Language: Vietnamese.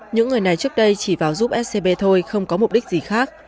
những người này trước đây chỉ vào giúp scb thôi không có mục đích gì khác